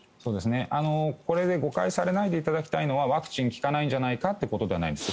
これで誤解されないでいただきたいのはワクチンが効かないんじゃないかということじゃないんです。